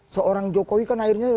seorang jokowi kan akhirnya